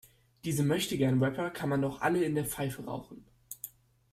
Diese Möchtegern-Rapper kann man doch alle in der Pfeife rauchen.